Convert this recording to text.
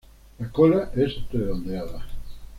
La cola es redondeada.